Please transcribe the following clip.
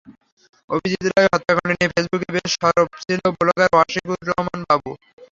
অভিজিৎ রায় হত্যাকাণ্ড নিয়ে ফেসবুকে বেশ সরব ছিলেন ব্লগার ওয়াশিকুর রহমান বাবু।